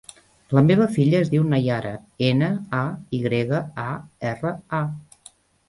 La meva filla es diu Nayara: ena, a, i grega, a, erra, a.